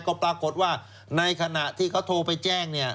ก็ปรากฏว่าในขณะที่เขาโทรไปแจ้งเนี่ย